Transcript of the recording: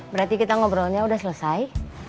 berarti kita ngobrolnya udah selesai